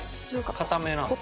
硬めなんですね。